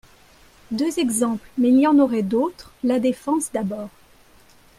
Deux exemples, mais il y en aurait d’autres, la défense, d’abord.